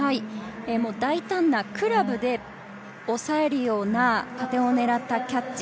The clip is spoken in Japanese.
大胆なクラブでおさえるような加点を狙ったキャッチ。